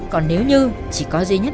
còn nếu như chỉ có duy nhất